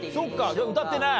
じゃあ歌ってない？